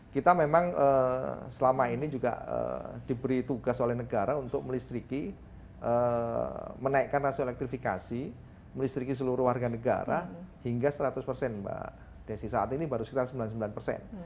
kita memang selama ini juga diberi tugas oleh negara untuk melistriki menaikkan rasio elektrifikasi melistriki seluruh warga negara hingga setelah itu kita bisa membangun listrik